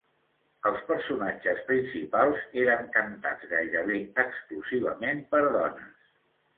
Els personatges principals eren cantats gairebé exclusivament per dones.